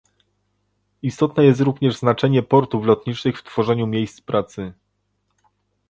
Istotne jest również znaczenie portów lotniczych w tworzeniu miejsc pracy